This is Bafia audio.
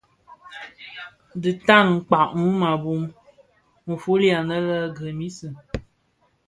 Dhi tan kpag mum a bum. Nfuli anë lè Grémisse,